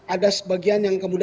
ada sebagian yang kembali